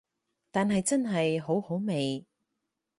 但係真係好好味